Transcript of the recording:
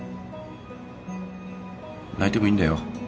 泣いてもいいんだよ。